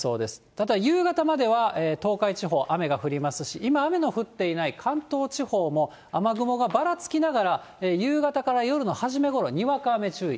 ただ、夕方までは東海地方、雨が降りますし、今、雨の降っていない関東地方も雨雲がばらつきながら夕方から夜の初めごろ、にわか雨注意。